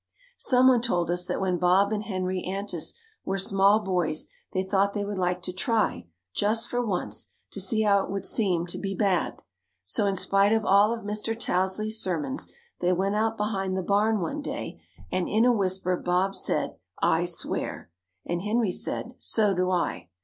Some one told us that when Bob and Henry Antes were small boys they thought they would like to try, just for once, to see how it would seem to be bad, so in spite of all of Mr. Tousley's sermons they went out behind the barn one day and in a whisper Bob said, "I swear," and Henry said, "So do I."